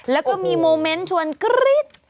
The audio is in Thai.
แล้วก็มีโมเมนต์ชวนกรี๊ด